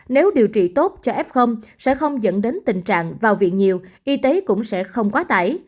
nếu điều trị tốt cho f sẽ không dẫn đến tình trạng vào viện nhiều y tế cũng sẽ không quá tải